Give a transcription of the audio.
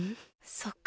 そっか。